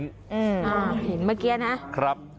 เห็นเมื่อกี้นะครับ